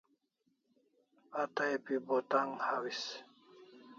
A tay pi Bo tan'g hawis